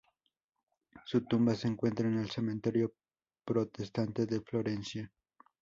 Su tumba se encuentra en el cementerio protestante de Florencia.